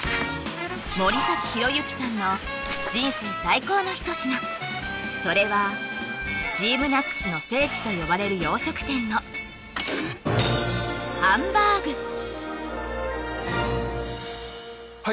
森崎博之さんの人生最高の一品それはＴＥＡＭＮＡＣＳの聖地と呼ばれる洋食店のはい